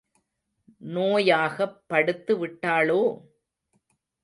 நோயாகப் படுத்து விட்டாளோ?